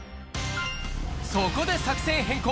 そこで作戦変更。